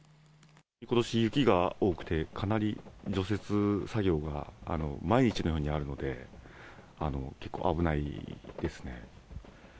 ことし雪が多くて、かなり除雪作業が毎日のようにあるので、結構危ないですね。